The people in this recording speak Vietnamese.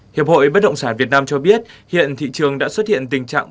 hiệp hội bất động sản việt nam cho biết hiện thị trường đã xuất hiện tình trạng